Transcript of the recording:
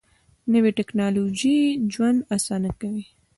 نوې ټیکنالوژي ژوند اسانه کوي